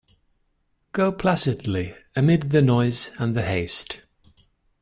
Go placidly amid the noise and the haste